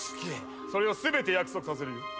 それを全て約束させるよ。